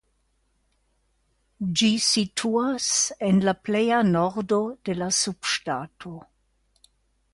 Ĝi situas en la pleja nordo de la subŝtato.